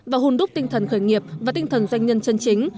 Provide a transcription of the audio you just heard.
và hôn đúc tinh thần khởi nghiệp và tinh thần doanh nhân chân chính